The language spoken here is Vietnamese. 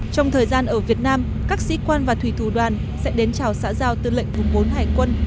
trong thời gian ở việt nam các sĩ quan và thủy thủ đoàn sẽ đến chào xã giao tư lệnh vùng bốn hải quân